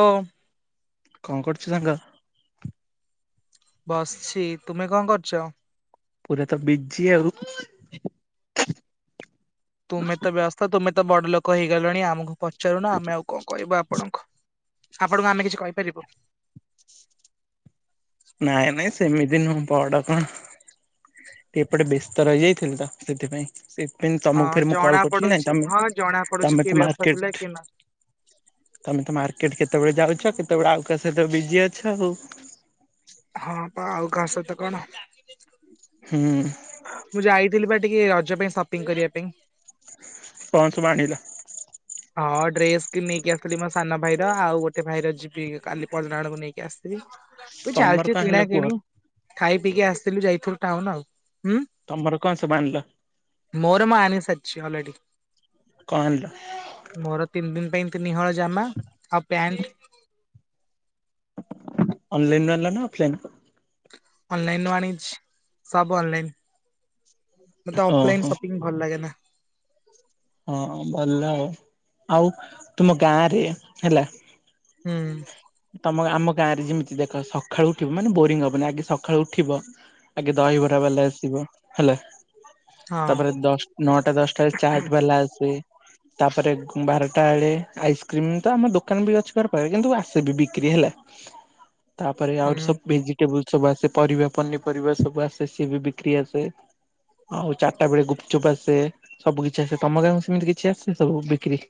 ଓ କଣ କରୁଚୁ ସାଙ୍ଗ। ବସିଛି ତୁମେ କଣ କରୁଛ? ପୁରାତ ବିଜିି ଆଉ ତୁମେ ତ ବ୍ୟସ୍ଥ ତମେ ତ ବଡ ଲୋକ ହେଇଗଲେଣି ଆମକୁ ପ ପଚାରୁନ ଆମେ ଆଉ କଣ କହିବୁ ଆପଣଙ୍କୁ? ଆପଣଙ୍କୁ ଆମେ କିଛି କହିପାରିବୁ। ନାଇଁ ନାଇଁ ସେମିତି ନୁହଁ। ବଡ କଣ ଏପଟେ ବ୍ୟସ୍ତ ରହିଯାଇଥିଲ ତ ସେଥିପାଇଁ ସେଥିପାଇଁ ହଁ ତମକୁ ଫ ମୁଁ ଜଣା କଲ କରୁଛି ପଡୁଛି ନାଇଁମେ ହଁ ଜଣା ପଡୁଛି ତମେ କିଏ ତ ବ୍ୟସ୍ତ ଥିଲେ ମାର୍କେଟ କିଏ ନା ତମେ ତ ମାର୍କେଟ କେତେବେଳେ ଯାଉ ଛ କେତେବେଳେ ଆଉ କା ସହିତ ବିଜି ଅଛ ଆଉ। ହଁ ପା ଆଉ କାହା ସହିତ କଣ? ହୁଁ। ମୁଁ ଯାଇଥିଲି ବା ଟିକେ ରଜ ପାଇଁ ସପିଂ କରିବା ପାଇଁ କଣ ଆଣିଲ? ହଁ ଡ୍ରେସ କି ନେଇକି ଆସିଥିଲି ମୋ ସାନ ଭାଇର ଆଉ ଗୋଟେ ଭାଇର ଯିବି କାଲି ପଟଣକୁ ନେଇକି ଆସିଥିଲି। ଏ ତମର ଚାଲିଚି କଣ ଆଣିଲ କିଣା କୁହ? କିଣି ଖାଇ ପିଇକି ଆସିଥିଲୁ ଯାଇଥିଲୁ। ଟାଉନ ଆଉ। ହୁଁ ତମର କଣ ସବୁ ଆଣିଲ? ମୋର ମୁଁ ଆଣିସାରିଚି ଅଛି ଅଲରେଡ଼ି କଣ? ମୋର ତିନି ଦିନ ପାଇଁ ତିନି ହଳ ଜାମା ଆଉ ପ୍ୟାଣ୍ଟ ଅନଲାଇନ ରୁ ଆଣିଲ ନା ଅଫଲାଇନ୍ ରୁ ଅନଲାଇନ ଆଣିଛି ସବୁ ଅନଲାଇନ। ମତେ ଓହୋ ଅଫଲାଇନ ସପିଂ ଭଲ ଲାଗେ ନା। ହଁ ଭଲ ଆଉ ଆଉ ତୁମ ଗାଁ ରେ ହେଲା। ହୁଁ। ତମ ଆମ ଗାଁ ରେ ଯେମିତି ଦେଖ ସକାଳୁ ଉଠିବ ମାନେ ବୋରିଙ୍ଗ ହବନି ଆଗେ ସକାଳୁ ଉଠିବ ଆଗେ ଦହିବରା ବାଲା ଆସିବ ହେଲା। ହଁ ତାପରେ ଦଶ ନଅଟା ଦଶଟାରେ ଚା ଆସେ ତାପରେ ବାରଟା ବଳେେ ଆଇସ୍କ୍ରିମ ତ ଆମ ଦୋକାନ ବି ଅଛି ଘର ପାଖରେ କିନ୍ତୁ ଆସେ ବି ବିକ୍ରି ହେଲା। ତାପରେ ଆହୁରି ହୁଁ। ସବୁ ଭେଜିଟେବୁଲ ସବୁ ଆସେ ପରିବା ପନିପରିବା ସବୁ ଆସେ ସିଏ ବି ବିକ୍ରି ଆସେ ଆଉ ଚାରିଟା ବେଳେ ଗୁପଚୁପ ଆସେ ସବୁ କିଛି। ଆଛା ଆଛା ତମ ଗାଁକୁ ସେମିତି କିଛି ଆସେ ସବୁ ବିକ୍ରି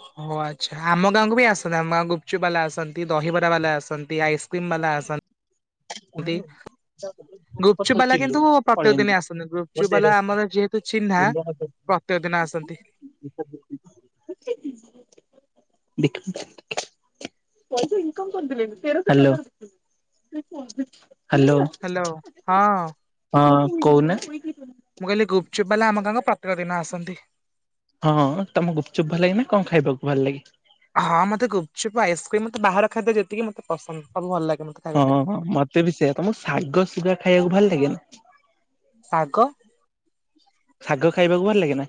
ହଉ ଆଊ। ଆଛା ଆମ ଗାଁକୁ ବି ଆସନ୍ତି ଆମ ଗୁପଚୁପ ବାଲା ଆନ୍ତି ଦହିବରା ବାଲା ଆସନ୍ତି ଆଇସ କିମ୍ ବାଲ ଆସନ୍ତି। ଗୁପଚୁପ କଥା ବାଲା କିନ୍ତୁ ଚିଲଉଛି ପ୍ରତ୍ୟେକ ପଳେଇଆନ୍ତୁ। ଦିନ ଆସନ୍ତି ଗୁପଚୁପ ବାଲା ଆମର ଯେହେତୁ ଚିହ୍ନା ପ୍ରତ୍ୟେକ ଦିନ ଆସନ୍ତି। ଦେଖ ୁ ଇନ କରିଥିଲ ତେର ହ୍ୟାଲୋ ହଁ। ହଁ କହୁନ? ମୁଁ କହିଲି ଗୁପଚୁପ୍ ବଲେ ଆମ କାଙ୍କ ପ୍ରତ୍ୟେକ ଦିନ ଆସନ୍ତି। ହଁ ତମ ଗୁପଚୁପ୍ ଭଲ ଲାଗେ ନା କଣ ଖାଇବାକୁ ଭଲ ଲାଗେ। ହଁ ମତେ ଗୁପଚୁପ ଆଇସ୍କ୍ରିମ ବାହାର ଖାଦ୍ୟ ଯେତିକି ମତେ ପସନ୍ଦ ସବୁ ଭଲ ଲାଗେ। ମତେ ଖାଇବା ପାଇଁ। ହଁଁ ମତେ ବି ସେୟ ତମକୁ ଶାଗ ଶୁଗା ଖାଇବାକୁ ଭଲ ଲାଗେନ। ଶାଗ ଶାଗ ଖାଇବାକୁ ଭଲ ଲାଗେ ନା।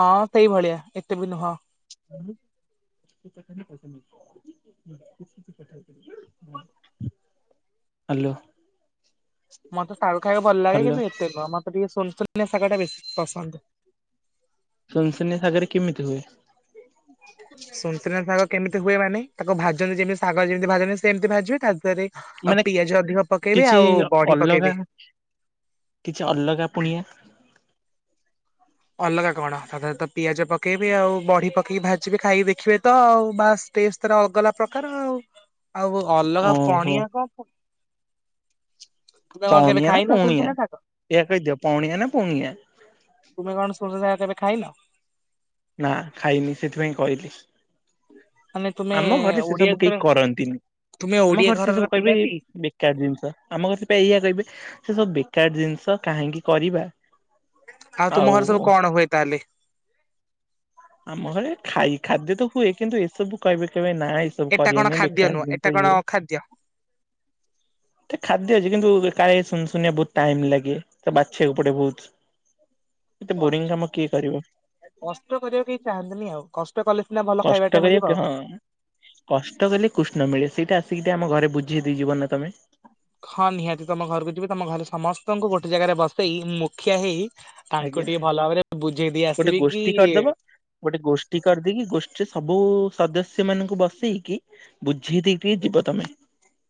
ହଁ ସେଇଭଳିଆ ଏତେ ବି ନୁହଁ। ହ୍ୟାଲୋ। ମତେ ସାରୁ ଖାଇବାକୁ ଭଲ ଲାଗେ ହ୍ୟାଲୋ କିନ୍ତୁ ଏତେ ନୁହଁ ମତେ ଟିକେ ଶୁନୁ ନିଆ ଶାଗ ଟା ବେଶୀ ପସନ୍ଦ। ସୁନୁସୁନିଆ ସାଗରେ କେମିତି ହୁଏ? ସୁନସୁନିଆ ଶାଗ କେମିତି ହୁଏ ମାନେ ତାକୁ ଭାଜନ୍ତି ଯେମିତି ଶାଗ ଯେମିତି ଭାଜନ୍ତି ସେମତି ଭଜିବେ ତା ଦେହରେ ଆଉ ମାନେ ପିଆଜ ଅଧିକ ପକେଇବେ କିଛି ଆଉ ବଢି ପକେଇବେ। ଅଲଗା କିଛି ଅଲଗା ପୁଣିଆ? ଅଲଗା କଣ ତା ଦେହରେ ତ ପିଆଜ ପକେଇବି ଆଉ ବଢି ପକେଇକି ଭାଜିବେ ଖାଇକି ଦେଖିବେ ତ ଆଉ ବାସ ଟେଷ୍ଟ ତାର ଅଗଲା ପ୍ରକାର ଆଉ। ଆଉ ଅଲଗା ଓହୋ ପଣିଆ କଣ? ତୁମେ କଣ କେବେ ପାଣିଆ ନା ଖାଇନ ପୁଣିଆ ସୁନସୁନିଆ ଶାଗ ଏୟା କହିଦିଅ ପାଣିଆ ନା ପୁଣିଆ। ତୁମେ କଣ ସୁନସୁନିଆ ଶାଗ କେବେ ଖାଇନ? ନା ଖାଇନି ସେଥିପାଇଁ କହିଲି। ମାନେ ତୁମେ ଆମ ଘରେ ସେ ଓଡିଆ ସବୁ ଘର କେହି କରନ୍ତିନି ତୁମେ ଆମ ଓଡିଆ ଘରେ ସେ ଘରର ସବୁ କହିବେ ଏ ପିଲାଟି ବେକାର ଜିନିଷ ଆମ ଘରେ ସେ ଏଇଆ କହିବେ ସେ ସବୁ ବେ କାର ଜିନିଷ କାହିଁକି କରିବା? ଆଉ ତୁମ ଘର ସବୁ କଣ ହୁଏ ତାହେଲେ? ଆମ ଘରେ ଖାଇ ଖାଦ୍ୟ ତ ହୁଏ କିନ୍ତୁ ଏସବୁ କହିବେ କେବେ ନ ନା ଏଇସବୁ ଏଟା କଣ କରିବେନି ଖାଦ୍ୟ ବେକାର ନୁହଁ ଏଟା ଜିନିଷ କଣ ଇଏ ଅଖାଦ୍ୟ। ଖାଦ୍ୟ ଅଛି କିନ୍ତୁ କାହିଁ ସୁନ୍ ସୁନିଆ ବହୁତ ଟାଇମ ଲାଗେ ତ ବାଛିବାକୁ ପଡେ ବହୁତ। ଏତେ ଓ ବୋରିଂ ଆଚ୍ଛା କାମ କିଏ କରିବ? କଷ୍ଟ କରିବାକୁ କେହି ଚାହାନ୍ତିନି ଆଉ କଷ୍ଟ କଲେ ସିନା ଭଲ ଖାଇବାଟା କଷ୍ଟ ମିଳିବ କରିବା ଆଉ। ହଁ କଷ୍ଟ କଲେ କୃଷ୍ଣ ମିଳେ ସେଇଟାସ୍ ସେଇଟା ଆମ ଘରେ ବୁଝି ଦେଇଯିବ ନା ତମେ? ହଁ ନିହାତି ତମ ଘରକୁ ଯିବି ତମ ଘରେ ସମସ୍ତଙ୍କୁ ଗୋଟେ ଜାଗାରେ ବସେଇ ମୁଖିଆ ହେଇ ତାଙ୍କୁ ଆଜ୍ଞା ଟିକେ ଭଲ ଭାବରେ ବୁଝେଇ ଦେଇ ଗୋଟେ ଆସିବି କି ଗୋଷ୍ଠୀ କରିଦବ ଗୋଟେ ଗୋଷ୍ଠୀ କରିଦେଇକି ଗୋଷ୍ଠୀରେ ସବୁ ସଦସ୍ୟ ସେମାନଙ୍କୁ ବସେଇକି ବୁଝେଇ ଦେଇକି ଯିବ ତମେ।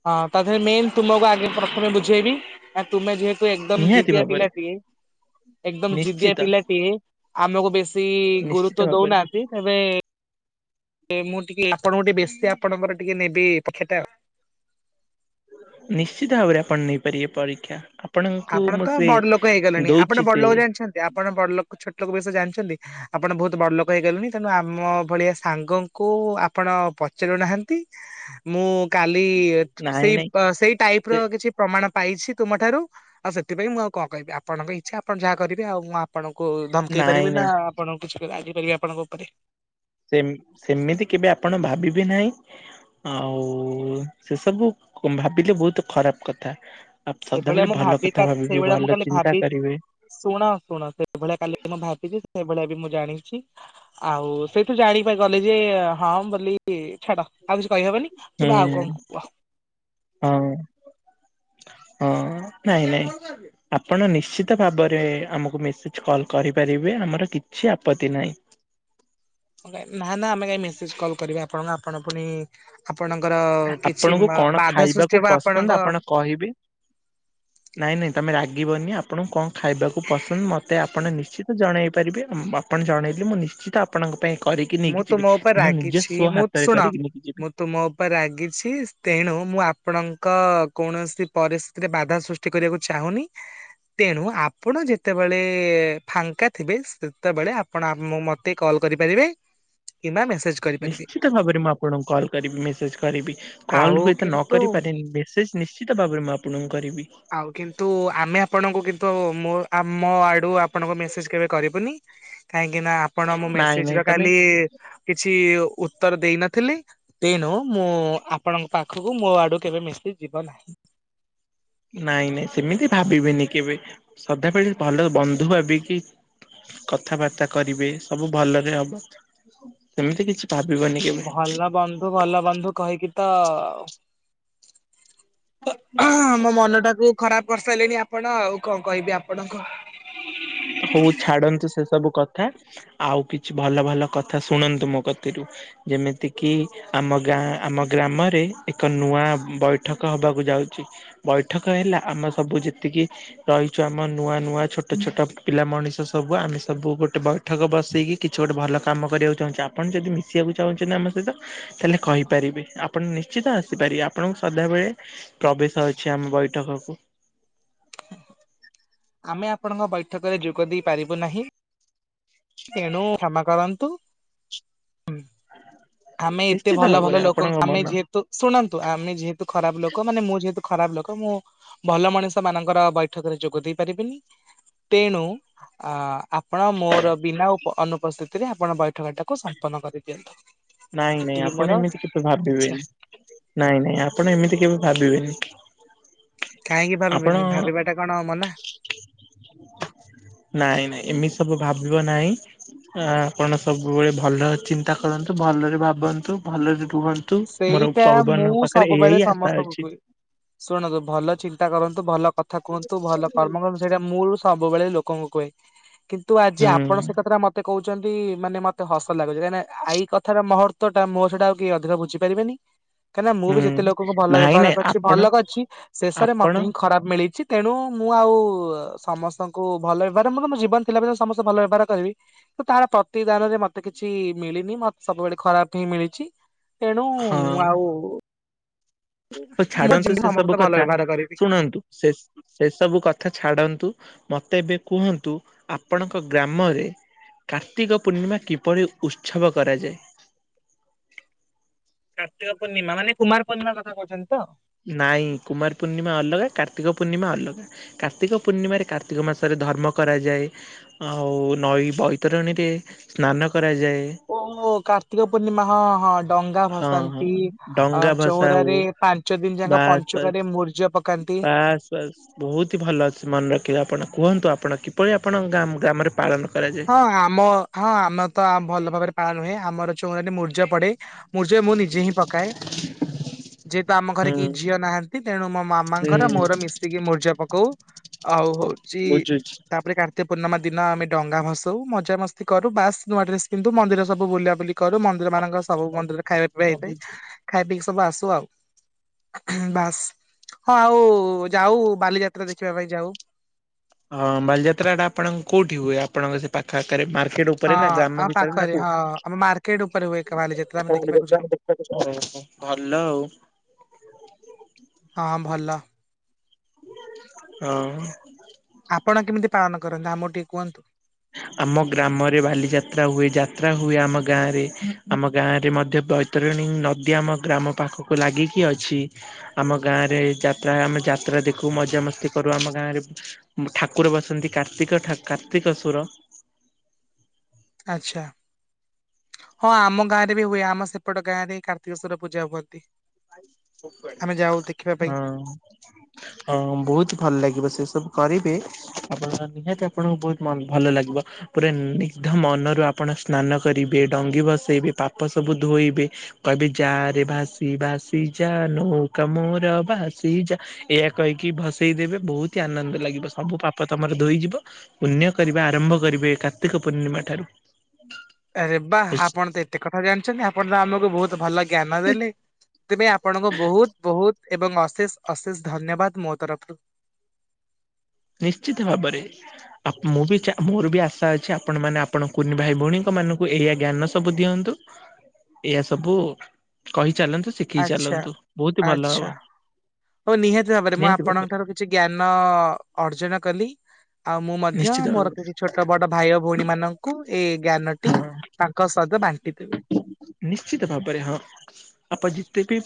ହଁ ତା ଦେହରେ ମେନ୍ ତୁମକୁ ଆଗ ପ୍ରଥମେ ବୁଝେଇବି ତା ପ ତୁମେ ଯେହେତୁ ଏକଦମ ନିହାତି ଜିଦିଆ ଭାବରେ ପିଲାଟିଏ ଏକଦମ ଜିଦିଆ ନିଶ୍ଚିତ ପିଲାଟିଏ ଆମକୁ ବେଶୀ ନିଶ୍ଚିତ ଗୁରୁତ୍ବ ଭାବରେ ଦଉନାହାଁନ୍ତି ତେବେ ମୁଁ ଟିକେ ଆପଣଙ୍କୁ ଟିକେ ବେଶୀ ଆପଣଙ୍କର ଟିକେ ନେବି ପକ୍ଷତା ଆଉ। ନିଶ୍ଚିତ ଭାବରେ ଆପଣ ନେଇପାରିବେ ପରୀକ୍ଷା। ଆପଣଙ୍କୁ ଆପଣ ମୁଁ ତ ସେ ବଡଲୋକ ହେଇଗଲେଣି ଆପଣ ଦଉଛି ସେ ବଡଲୋକ ଜାଣିଛନ୍ତି ଆପଣ ବଡଲୋକ ଛୋଟ ଲୋକ ବିଷୟ ରେ ଜାଣିଚନ୍ତି ଆପଣ ବହୁତ ବଡ ଲୋକ ହେଇଗଲେଣି ତେଣୁ ଆମ ଭଳିଆ ସାଙ୍ଗକୁ ଆପଣ ପଚାରୁୁନାହାନ୍ତି ମୁଁ କାଲି ନାଇଁ ସେଇ ନାଇଁ ପ୍ ସେଇ ଟାଇପ୍ ସେ ର କିଛି ପ୍ରମାଣ ପାଇଛି ତୁମଠାରୁ ଆଉ ସେଥିପାଇଁ ମୁଁ ଆଉ କଣ କହିବି ଆପଣଙ୍କ ଇଚ୍ଛା ଆପଣ ଜାହା କରିବେ ଆଉ ମୁଁ ଆପଣଙ୍କୁ କୁ ଧମକେଇ ନାଇଁ ପାରିବି ନା ନାଇଁ ଆପଣ କିଛି ବି ରାଗି ପାରିବି ଆପଣଙ୍କ ଉପରେ। ସେ ସେମିତି କେବେ ଆପଣ ଭାବିବେ ନାହିଁ ଆଉ ସେ ସବୁ ଭାବିଲେ ବହୁତ ଖରାପ କଥା। ଆ ସେଭଳିଆ ସଦାବେଳେ ମୁଁ ଭଲ ଭାବି, କଥା ଭାବିବି ସେଇଭଳିଆ ଭଲ ମୁଁ କାଲି ଚିନ୍ତା କରିବେ ଭାବିଛି ଶୁଣ ଶୁଣ ସେଇଭଳିଆ କାଲି ମୁଁ ଭାବିଛି। ସେଇଭଳିଆ ବି ମୁଁ ଜାଣିଛି ଆଉ ସେଇଠୁ ଜାଣି ଗଲି ଯେ ହଁ ବୋଲି ଛାଡ ଆଉ କିଛି କହିହବନି ହୁଁ ତୁମେ ଆଉ କଣଙ୍କୁ କୁହ? ହଁ ହଁ ନାଇଁ ନାଇଁ ଆପଣ ନିଶ୍ଚିତ ଭାବରେ ଆମକୁ ମେସେଜ କଲ କରିପାରିବେ ଆମର କିଛି ଆପତ୍ତି ନାହିଁ। ହଁ ନା ନା ଆମେ କାଇଁ ମେସେଜ କଲ୍ କରିବେ ଆପଣ ଆପଣ ପୁଣି ଆପଣଙ୍କର କିଛି ଆପଣଙ୍କୁ କଣ ବାଧା ସୃଷ୍ଟି ଖାଇବାକୁ ହେବ ଆପଣଙ୍କ ପସନ୍ଦ ଆପଣ କହିବେ ନାଇଁ ନାଇଁ ତମେ ରାଗ ଗିବନି ଆପଣଙ୍କୁ କଣ? ଖାଇବାକୁ ପସନ୍ଦ ମୋତେ ଆପ ଆପଣ ନିଶ୍ଚିତ ଜଣାଇ ପାରିବେ ଆପଣ ଜଣେଇଲେ ମୁଁ ନିଶ୍ଚିତ ଆପଣଙ୍କ ପାଇଁ କରିକି ମୁଁ ନେଇକି ଯିବି। ତୁମ ଉପରେ ମୁଁ ନିଜ ରାଗିଛି ସ୍ଵ ମୁଁ ହାତରେ ଶୁଣ କରିକି ନେଇକି ଯିବି ମୁଁ ତୁମ ଉପରେ ରାଗି- ରାଗିଛି ତେଣୁ ମୁଁ ଆପଣଙ୍କ କୌଣସି ପରିସ୍ଥିତିରେ ବାଧା ସୃଷ୍ଟି କରିବାକୁ ଚାହୁଁନି ତେଣୁ, ଆପଣ ଯେତେବେଳେ ଫାଙ୍କା ଥିବେ ସେତେବେଳେ ଆପଣ ମୋତେ କଲ୍ କରିପାରିବେ। କି ମ୍ବବା। ନିଶ୍ଚିତ ଭାବରେ ମୁଁ ଆପଣଙ୍କୁ କଲ୍ କରିବି ମେସେଜ କରିବି କଲ୍ ଆଉ ହୁଏତ, ନ କିନ୍ତୁ କରିପାରନି ମେସେଜ- ନିଶ୍ଚିତ ଭାବରେ ମୁଁ ଆପଣଙ୍କୁ- କରିବି ଆଉ କିନ୍ତୁ, ଆମେ ଆପଣଙ୍କୁ ତ ମୁଁ ମୋ ଆଡ଼ୁ ଆପଣଙ୍କୁ ମେସେଜ କେବେ କରିବୁନି। କାହିଁକି ନା ଆପଣ ମୋ ନାଇଁ ମେସେଜ ନାଇଁ ର ତମେ କାଲି କିଛି ଉତ୍ତର ଦେଇନଥିଲେ। ତେଣୁ ମୁଁ ଆପଣଙ୍କ ପାଖକୁ ମୋ ଆଡୁ କେବେ ମିଶି ଯିବ ନାହିଁ। ନାଇଁ ନାଇଁ ସେମିତି ଭାବିବେନି କେବେ ସଦାବେଳେ ଭଲ ବନ୍ଧୁ ଭାବିକି କଥାବାର୍ତ୍ତା କରିବେ ସବୁ ଭଲରେ ହବ ସେମିତି କିଛି- ଭାବିବନି କେବେ। ଭଲ ବନ୍ଧୁ ଭଲ ବନ୍ଧୁ କହିକି। ତ। ତ ଆମ ମନ ଟାକୁ ଖରାପ କରି। ଶୋଇଲେଣି ଆପଣ ଆଉ କଣ କହିବେ ଆପଣଙ୍କ- ହଉ ଛାଡନ୍ତୁ ସେ ସବୁ କଥା ଆଉ କିଛି ଭଲ ଭଲ କଥା ଶୁଣନ୍ତୁ, ମୋ କତିରୁ ଯେମିତିକି ଆମ ଗାଁ ଆମ ଗ୍ରାମରେ ଏକ ନୂଆ ବୈଠକ ହବାକୁ ଯାଉଛି। ବୈଠକ ହେଲା ଆମ ସବୁ ଯେତିକି ରହିଛୁ ଆମ ନୂଆ ନୂଆ ଛୋଟ ଛୋଟ- ପିଲା ମଣିଷ ସବୁ ଆମେ ସବୁ ଗୋଟେ ବୈଠକ ବସେଇକି କିଛି ଗୋଟେ ଭଲ କାମ କରିବାକୁ ଚାହୁଁଛେ ଆପଣ ଯଦି ମିଶିବାକୁ ଚାହୁଁଛନ୍ତି। ଆମ ସହିତ ତାହେଲେ କହିପାରିବେ ଆପଣ ନିଶ୍ଚିତ ଆସିପାରିବେ ଆପଣଙ୍କୁ ସଦାବେେଳେ ପ୍ରବେଶ ଅଛି ଆମ ବୈଠକକୁ। ଆମେ ଆପଣଙ୍କ ବୈଠକରେ ଯୋଗ ଦେଇ ପାରିବୁ ନାହିଁ ତେଣୁ କ୍ଷମା କରନ୍ତୁ। ହୁଁ ଆମେ ଏତେ ନିଶ୍ଚିତ ଭଲ ଭଲ ଭାବରେ ଲୋକ ଆପଣଙ୍କ ଆମେ ମନ ଯେହେତୁ ଶୁଣନ୍ତୁ, ଆମେ ଯେହେତୁ ଖରାପ ଲୋକ ମାନେ ମୁଁ ଯେହେତୁ- ଖରାପ ଲୋକ ମୁଁ ଭଲ ମଣିଷ ମାନଙ୍କର ବୈଠକ ରେ ଯୋଗଦେଇ- ପାରିବନି ତେଣୁ, ଆପଣ ମୋର ବିନା ଅନୁପସ୍ଥିତିରେ ଆପଣ ବୈଠକ ଟାକୁ ସମ୍ପନ୍ନ କରିଦିଅନ୍ତୁ। ନାଇଁ ନାଇଁ ଏତିକି ମୋର ଆପଣ ଏମିତି କେବେ ଇଚ୍ଛା ଭାବିବେନି ନାଇଁ ନାଇଁ ଆପଣ ଏମିତି କେବେ ଭାବିବେନି। [inaudible] କାହିଁକି ଆପଣ ଭାବିବିନି ଭାବିବା ଟା କଣ ମୱା। ନାଇଁ ନାଇଁ ଏମିତି ସବୁ ଭାବିବ ନାହିଁ ଆପଣ ସବୁବେଳେ ଭଲ ଚିନ୍ତା କରନ୍ତୁ। ଭଲରେ ଭାବନ୍ତୁ ଭଲରେ ରୁହନ୍ତୁ। ମୋର ସେଇଟା ଭଗବାନଙ୍କ ମୁଁ ପାଖରେ ଏଇଆ ସବୁବେଳେ ହିଁ ଆଶା ସମସ୍ତଙ୍କୁ ଅଛି। କୁହେ ଶୁଣନ୍ତୁ, ଭଲ ଚିନ୍ତା କରନ୍ତୁ। ଭଲ। କଥା କୁହନ୍ତୁ ଭଲ କର୍ମ କରନ୍ତୁ ସେଇଟା ମୁଁ ସବୁବେଳେ ଲୋକଙ୍କୁ କୁହେ। କିନ୍ତୁ ଆଜି ହୁଁ ଆପଣ ସେ କଥା ମତେ କହୁଛନ୍ତି ମାନେ ମତେ ହସ ଲାଗୁଛି। କାହିଁକି ନା ଆଇ କଥାର ମହତ୍ୟ ଟା ମୋ ଛଡା ଆଉ କିଏ ଅଧିକ ବୁଝି ପାରିବେନି। କାହିଁକିନା ମୁଁ ବି ହୁଁ ଯେତେ ଲୋକଙ୍କୁ ଭଲ ନାଇଁ ବ୍ୟବହାର ନାଇଁ କରିଛି ଆପଣ ଭଲ କରିଛି ଶେଷରେ ଆପଣ ମତେ ହିଁ ଖରାପ ମିଳିଛି। ତେଣୁ ମୁଁ ଆଉ ସମସ୍ତଙ୍କୁ ଭଲ ବ୍ୟବହାର ମ ମୋ ଜୀବନ ଥିଲାବେ ସମସ୍ତେ ଭଲ ବ୍ୟବହାର କରିବି କି ତାର ପ୍ରତିକାରରେ ମତେ କିଛି ମିଳିନି। ମତେ ସବୁବେଳେ ଖରାପ ହିଁ ମିଳିଛି। ତେଣୁ ମୁଁ ଆଉ ହଉ ମୋ ଛାଡନ୍ତୁ ଜୀବନରେ ସେ ସବୁ ସମସ୍ତେ ଭଲ କଥା ବ୍ୟବହାର କରିବି। ଶୁଣନ୍ତୁ ସେ ସେ ସବୁ କଥା ଛାଡନ୍ତୁ। ମତେ ଏବେ କୁହନ୍ତୁ ଆପଣଙ୍କ ଗ୍ରାମରେ କାର୍ତ୍ତିକ ପୂର୍ଣ୍ଣିମା କିପରି ଉତ୍ସବ କରାଯାଏ। କାର୍ତିକ ପୂର୍ଣ୍ଣିମା ମାନେ କୁମାର ପୂର୍ଣିମା କଥା କହୁଛନ୍ତି ତ। ନାଇଁ କୁମାର ପୂର୍ଣ୍ଣିମା ଅଲଗା କାର୍ତ୍ତିକ ପୂର୍ଣ୍ଣିମା ଅଲଗା କାର୍ତ୍ତିକ ପୂର୍ଣ୍ଣିମାରେ କାର୍ତ୍ତିକ ମାସରେ ଧର୍ମ କରାଯାଏ ଆଉ ନଈ ବୈତରଣୀରେ ସ୍ନାନ କରାଯାଏ। ଓହୋ କାର୍ତ୍ତିକ ପୂର୍ଣ୍ଣିମା ହଁ। ହଁ। ଡଙ୍ଗା ହଁ ହଁ ଭସାନ୍ତି। ଅ ଡଙ୍ଗା ଭସା ହଉ, ଚଉରାରେ ପାଞ୍ଚ ଦିନ ଯାକ ବାସ ପଞ୍ଚୁକରେ ବାସ ମୁର୍ଜ ପକାନ୍ତି। ବାସ ବାସ ବହୁତ ହି ଭଲ ଅଛି ମନେ ରଖିଲେ ଆପଣ କୁହନ୍ତୁ ଆପଣ। ଆପଣ କିପରି ଆପଣ ଗ ଗ୍ରାମରେ ପାଳନ କରାଯାଏ। ହଁ ଆମ ହଁ ଆମେ ତ ଭଲ ଭାବରେ ପାଳନ ହୁଏ। ଆମର ଚଉଁରାରେ ମୂର୍ଜା ପଡେ। ମୂର୍ଯ ମୁଁ ନିଜେ ହିଁ ପକାଏ। ଯେହେତୁ ଆମ ଘରେ ହୁଁ କେହି ଝିଅ ନାହାନ୍ତି, ତେଣୁ ମୋ ମାମାଙ୍କର ହୁଁ ମୋର ମିଶିକି ମୂର୍ଜା ପକାଉ। ହଉ ହଉ। ବୁଝୁଛି। ତାପରେ କାର୍ତ୍ତିକ ପୂର୍ଣ୍ଣିମା। ଦିନ ଆମେ ଡଙ୍ଗା ଭସ ମଜା ମସ୍ତି କରୁ ବାସ୍ ନୂଆ ଡ୍ରେସ ପିନ୍ଧୁ, ମନ୍ଦିର ସବୁଲ ବୁଲା ବୁଲି କରୁ ମନ୍ଦିର ମାନଙ୍କ ସବୁ ମନ୍ଦିର ଖାଇବାପିଇବା ହଁ ହେଇଥାଏ ଖାଇ ପିଇ। ସବୁ ଆସୁ ଆଉ ବାସ୍ ହଁ ଆଉ ଯାଉ ବାଲିଯାତ୍ରା ଦେଖିବା ପାଇଁ ଯାଉ। ହଁ ବାଲିଯାତ୍ରା ଟା ଆପଣଙ୍କ କୋଉଠି ହୁଏ ଆପଣଙ୍କ ସେ ପାଖ ଆଖରେ, ମା ଉପରେ ହଁ ନା ଗ୍ରାମ ଆମ ଭିତରେ ନା ପାଖରେ ହଁ କୋଉଠି, ଆମ ମାର୍କେଟ ଉପରେ ହୁଏ ଏକ ବାଲିଯାତ୍ରା ଆମେ ଦେଖିବାକୁ ଯାଉ। ଭଲ ଆଉ। ହଁ ଭଲ ହଁ। ଆପଣ କେମିତି ପାଳନ କରନ୍ତି, ଆମ ଟିକେ କୁହନ୍ତୁ। ଆମ ଗ୍ରାମରେ ବାଲିଯାତ୍ରା ହୁଏ, ଯାତ୍ରା ହୁଏ ଆମ ଗାଁରେ ଆମ ଗାଁ ରେ ମଧ୍ୟ ବୈତରଣୀ ନଦୀ ଆମ ଗ୍ରାମ ପାଖକୁ ଲାଗିକି ଅଛି, ଆମ ଗାଁ ରେ ଯାତ୍ରା ଆମେ ଯାତ୍ରା ଦେଖୁ ମଜାମସ୍ତି କରୁ, ଆମ ଗାଁରେ ଠାକୁର ବସନ୍ତି କାର୍ତ୍ତିକ କାର୍ତ୍ତିକ କୁ ତର ଆଛା ହଁ ଆମ ଗାଁ ରେ ବି ହୁଏ, ଆମ ସେପଟ ଗାଁ ରେ କାର୍ତ୍ତିକେଶ୍ୱଵର ପୂଜା ହୁଅନ୍ତି। ଆମେ ଯାଉ ଦେଖିବା ପାଇଁ। ହଁ ହଁ ବହୁତ ଭଲ ଲାଗିବ ସେ। ସବୁ କରିବେ ଆପଣ ନିହାତି ଆପଣଙ୍କୁ ବହୁତ ଭଲ ଲାଗିବ ପୁରା ନି ମନରୁ ଆପଣ ସ୍ନାନ କରିବେ ଡଙ୍ଗି ଭସେଇବେ ପାପ ସବୁ ଧୋଇବେ କହିବେ ଯା ରେ ଭାସି ଭା ସି ଯା ନୌକ ମୋର ଭାସି ଯା, ଏହା କହିକି ଭସେଇ ଦେବେ ବହୁତ ହି ଆନନ୍ଦ ଲାଗିବ, ସବୁ ପାପ ତମର ଧୋଇଯିବ ପୁଣ୍ୟ କରିବା ଆରମ୍ଭ କରିବେ କାର୍ତ୍ତିକ ପୂର୍ଣ୍ଣିମା ଠାରୁ। ଆରେ ବା ଆପଣ ତ ଏତେ କଥା ଜାଣିଚନ୍ତି ଆପଣ ତ ଆମକୁ ବହୁତ ଭଲ ଲାଗ ଜ୍ଞାନ ଦେଲେ ସେଥିପାଇଁ ଆପଣଙ୍କ ବହୁତ ବହୁତ ଏବଂ ଅଶେଷ ଅଶେଷ ଧନ୍ୟବାଦ ମୋ ତରଫରୁ। ନିଶ୍ଚିତ ଭାବରେ ଆପ ମୁଁ ବି ଚା ମୋର ବି ଆଶା ଅଛି ଆପଣ ମାନେ ଆପଣ କୁନି ଭାଇ ଭଉଣୀଙ୍କ ମାନଙ୍କୁ ଏଇଆ ଜ୍ଞାନ ସବୁ ଦିଅନ୍ତୁ, ଏଇଆ ସବୁ କହି ଚାଲନ୍ତୁ ଶିଖି ଆଛା ଚାଲନ୍ତୁ ବହୁତ ହି ଭଲ ହବ ଆଚ୍ଛା ହଉ ନିହାତି ଭାବରେ ମୁଁ ନିହାତି ଆପଣଙ୍କ ଭାବରେ। ଠାରୁ କିଛି ଜ୍ଞାନ ଅର୍ଜୁନ କଲି। ଆଉ ମୁଁ ମଧ୍ୟ ନିଶ୍ଚିତ ମୋର ଭାବରେ କିଛି ଛୋଟ ବଡ ଭାଇ ଓ ଭଉଣୀ ମାନଙ୍କୁ ଏ ଜ୍ଞାନଟି ହଁ ତାଙ୍କ ସହିତ ବାଣ୍ଟି ଦେବି। ତେବି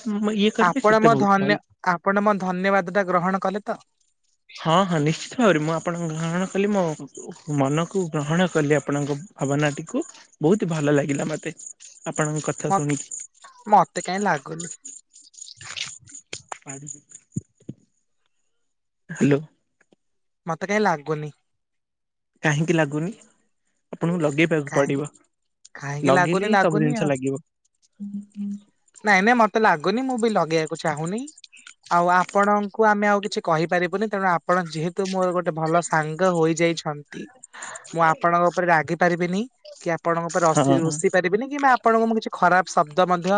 ଆପଣ ମୋ ଧନ୍ୟ ଆପଣ ମୋ ଧନ୍ୟବାଦ ଟା ଗ୍ରହଣ କଲେ ତ? ହଁ ହଁ ନିଶ୍ଚିତ ଭାବରେ ମୁଁ ଆପଣ ଗ୍ରହଣ କଲି ମୋ ମନକୁ ଗ୍ରହଣ କଲି ଆପଣଙ୍କ ଭାବନାଟିକୁ ବହୁତ ଭଲ ଲାଗିଲା ମତେ। ଆପଣଙ୍କ କଥା ମ ଶୁଣିକି ମତେ କାହିଁ ଲାଗୁନି। [unintelligible] ହ୍ୟାଲୋ। ମତେ କାଇଁ ଲାଗୁନି। କାହିଁକି ଲାଗୁନି? ଆପଣଙ୍କୁ ଲଗେଇବାକୁ କାହିଁ ପଡିବ କାହିଁକି ଲାଗୁନି ଲଗେଇଲେ ହିଁ ସବୁ ଲାଗୁନି ଜିନିଷ ଆଉ ଲାଗିବ। ଗୁନି ମୁଁ ବି ଲଗେଇବାକୁ ଚାହୁଁନି ଆଉ ଆପଣଙ୍କୁ ଆମେ ଆଉ କିଛି କହିପାରିବୁନି ତେଣୁ ଆପଣ ଯେହେତୁ ମୋର ଗୋଟେ ଭଲ ସାଙ୍ଗ ହୋଇଯାଇଛନ୍ତି ମୁଁ ଆପଣଙ୍କ ଉପରେ ରାଗି ବିନି କି ଆପଣଙ୍କ ଉପରେ ରସି ହଁ ଋଷି ପାରିବିନି କିମ୍ବା ଆପଣଙ୍ଙ୍କୁ କିଛି ଖରାପ ଶବ୍ଦ ମଧ୍ୟ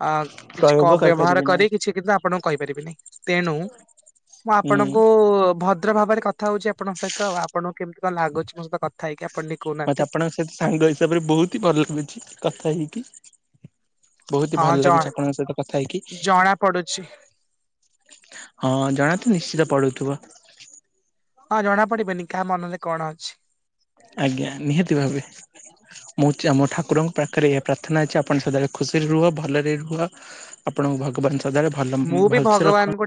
ଅ କିଛି ପ୍ରୟୋଗ କ ବ୍ୟବହାର କରିପାରିବେ କରି ନାହିଁ କିଛି କିନ୍ତୁ ଆପଣଙ୍କୁ କହିପାରିବିନି ତେଣୁ ମୁଁ ହୁଁ। ଆପଣଙ୍କୁ ଭ ଦ୍ର ଭାବରେ କଥା ହଉଚି ଆପଙ୍କ ସହିତ ଆପଣ କେମିତି କଣ ଲାଗୁଛି ମୋ ସହିତ କଥା ହେଇକି ଆପ ମତେ ଆପଣଙ୍କ ସହିତ ସାଙ୍ଗ ହିସାବରେ ବହୁତ ହି ଭଲ ଲାଗୁଛି କଥା ହେଇକି। ବହୁତ ହି ହଁ ଭଲ ଜଣା ଲାଗୁଛି ଆପଣଙ୍କ ସହିତ କଥା ହେଇକି ଜଣା ପଡୁଛି ହଁ ଜଣାନ୍ତୁ ନିଶ୍ଚିତ ପଡୁଥିବ। ହଁ ଜଣା ପଡିବନି କାହା ମନରେ କଣ ଅଛି? ଆଜ୍ଞା ନିହାତି ଭାବେ ମୁଁ ଯେ ଆମ ଠାକୁରଙ୍କ ପାଖରେ ଏହା ପ୍ରାର୍ଥନା ଅଛି ଆପଣ ସଦାବେଳେ ଖୁସିରେ ରୁହ ଭଲରେ ରୁହ ଆପଣଙ୍କୁ ଭଗବାନ ସଦାରେ ଭଲ ମୁଁ ବି ଭଲସେ ଭଗବାନଙ୍କୁ ରଖନ୍ତ ଡା